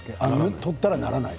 取ったらならないの？